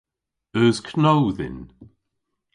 Eus know dhyn?